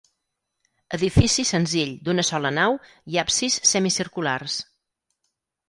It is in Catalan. Edifici senzill d'una sola nau i absis semicirculars.